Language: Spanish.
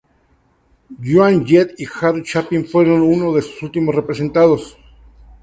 Joan Jett y Harry Chapin fueron unos de sus últimos representados.